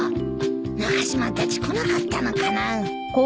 中島たち来なかったのかな。